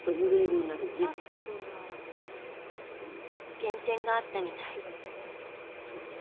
減点があったみたい。